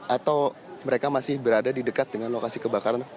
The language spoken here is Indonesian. atau mereka masih berada di dekat dengan lokasi kebakaran